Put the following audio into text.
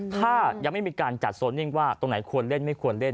ถ้ายังไม่มีการจัดโซนิ่งว่าตรงไหนควรเล่นไม่ควรเล่น